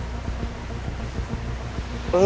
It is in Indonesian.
kalau saka berkhianat